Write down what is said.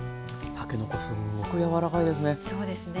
たけのこすっごく柔らかいですね。